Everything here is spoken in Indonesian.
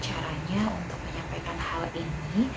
caranya untuk menyampaikan hal ini